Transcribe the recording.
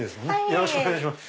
よろしくお願いします。